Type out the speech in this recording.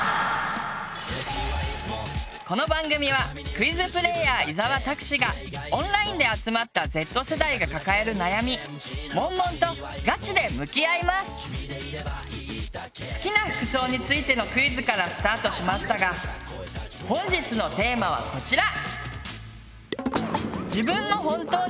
この番組はクイズプレーヤー伊沢拓司がオンラインで集まった好きな服装についてのクイズからスタートしましたが本日のテーマはこちら！